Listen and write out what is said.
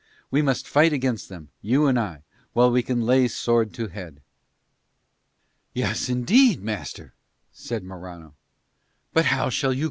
We must fight against them, you and I, while we can lay sword to head." "Yes, indeed, master," said Morano. "But how shall you come by your castle?"